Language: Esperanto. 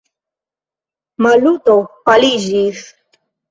Maluto paliĝis.